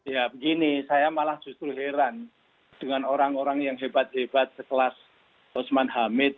ya begini saya malah justru heran dengan orang orang yang hebat hebat sekelas osman hamid